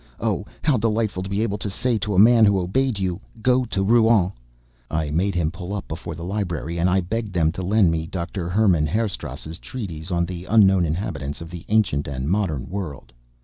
Oh! How delightful to be able to say to a man who obeyed you: "Go to Rouen!" I made him pull up before the library, and I begged them to lend me Dr. Herrmann Herestauss's treatise on the unknown inhabitants of the ancient and modern world.